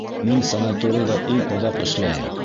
Мин санаторийҙа иң оҙаҡ эшләйем...